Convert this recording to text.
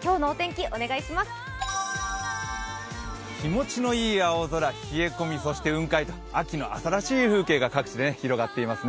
気持ちのいい青空、冷え込みそして雲海、秋の朝らしい風景が各地で広がっていますね。